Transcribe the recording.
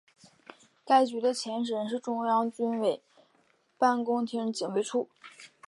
该局的前身是中央军委办公厅警卫处。